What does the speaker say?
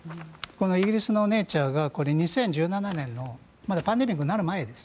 イギリスの「ネイチャー」が２０１７年のまだパンデミックになる前です。